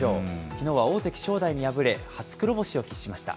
きのうは大関・正代に敗れ、初黒星を喫しました。